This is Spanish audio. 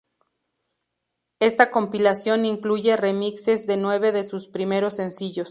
Esta compilación incluye remixes de nueve de sus primeros sencillos.